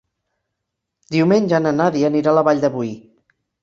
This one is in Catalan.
Diumenge na Nàdia anirà a la Vall de Boí.